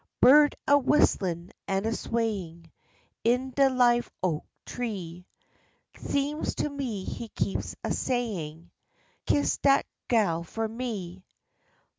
Bird a whistlin' and a swayin' In de live oak tree; Seems to me he keeps a sayin', "Kiss dat gal fo' me."